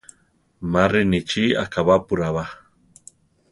Ma rinichí akabápura ba.